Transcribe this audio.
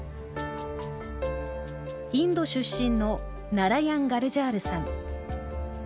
インド出身のナラヤン・ガルジャールさん。